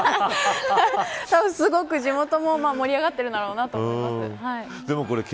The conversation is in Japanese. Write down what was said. すごく地元も盛り上がっているだろうなと思います。